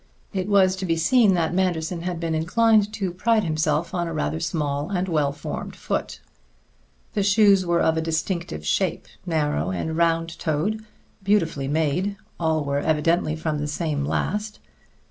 It was to be seen that Manderson had been inclined to pride himself on a rather small and well formed foot. The shoes were of a distinctive shape, narrow and round toed, beautifully made; all were evidently from the same last.